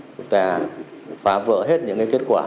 chúng ta phá vỡ hết những kết quả